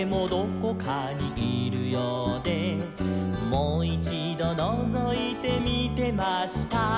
「もいちどのぞいてみてました」